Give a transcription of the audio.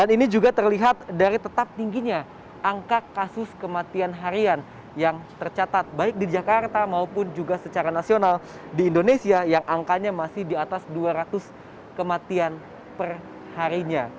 ini juga terlihat dari tetap tingginya angka kasus kematian harian yang tercatat baik di jakarta maupun juga secara nasional di indonesia yang angkanya masih di atas dua ratus kematian perharinya